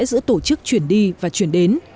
giữa tổ chức chuyển đi và chuyển đến